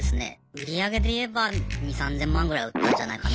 売り上げでいえば２０００３０００万ぐらい売ったんじゃないかなと思いますけど。